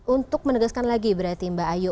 untuk menegaskan lagi berarti mbak ayu